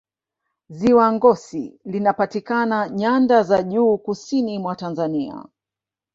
ziwa ngosi linapatikana nyanda za juu kusini mwa tanzania